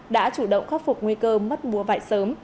đã chủ động khắc phục nguy cơ mất mùa vải sớm